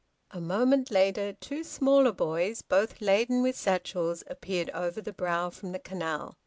A moment later two smaller boys, both laden with satchels, appeared over the brow from the canal.